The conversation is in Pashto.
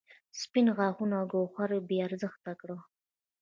سپینو غاښونو یې ګوهر هم بې ارزښته کړ.